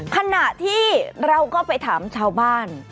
ขณะที่เราก็ไปถามชาวบ้าน